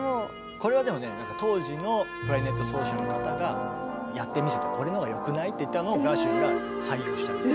これはでもね当時のクラリネット奏者の方がやってみせてこれのほうがよくない？って言ったのをガーシュウィンが採用したみたい。